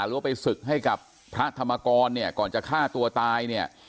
หรือว่าไปศึกให้กับพระธรรมกรก่อนจะฆ่าตัวตาย